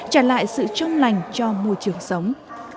trả lại sự trong lành cho môi trường sống